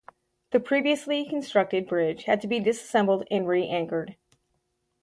The previously constructed bridge had to be disassembled and re-anchored.